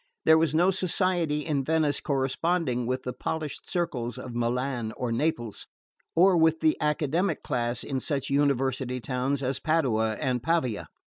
There was no society in Venice corresponding with the polished circles of Milan or Naples, or with the academic class in such University towns as Padua and Pavia.